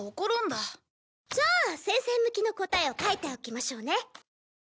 じゃあ先生向きの答えを書いておきましょうね。